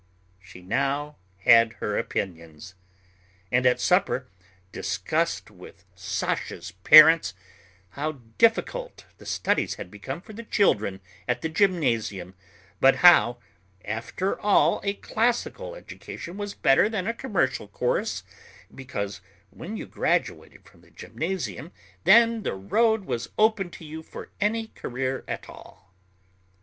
She now had her opinions, and at supper discussed with Sasha's parents how difficult the studies had become for the children at the gymnasium, but how, after all, a classical education was better than a commercial course, because when you graduated from the gymnasium then the road was open to you for any career at all.